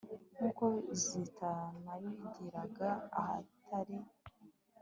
nk uko zitanabigiraga ahatari